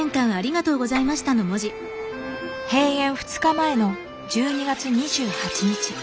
閉園２日前の１２月２８日。